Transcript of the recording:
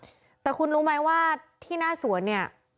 แต่คุณรู้ไหมว่าที่หน้าสวนเนี่ย